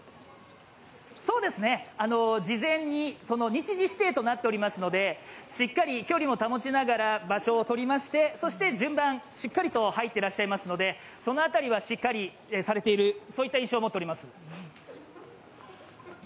そうですね、事前に日時指定となっておりますのでしっかり距離も保ちながら場所をとりましてそして順番、しっかりと入っていらっしゃいますので、その辺りはしっかりされているそういった印象を持っております。